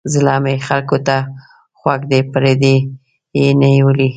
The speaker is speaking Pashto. زړه مې خلکو ته خوږ دی پردي یې نیولي.